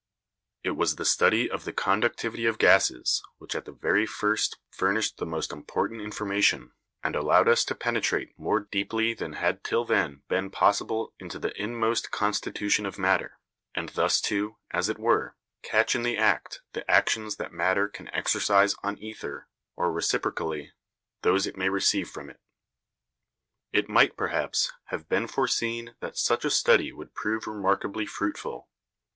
It was the study of the conductivity of gases which at the very first furnished the most important information, and allowed us to penetrate more deeply than had till then been possible into the inmost constitution of matter, and thus to, as it were, catch in the act the actions that matter can exercise on the ether, or, reciprocally, those it may receive from it. It might, perhaps, have been foreseen that such a study would prove remarkably fruitful.